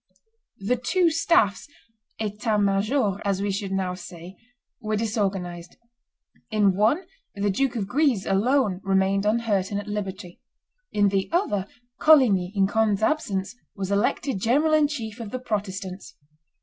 The two staffs (etats majors), as we should now say, were disorganized: in one, the Duke of Guise alone remained unhurt and at liberty; in the other, Coligny, in Conde's absence, was elected general in chief of the Protestants.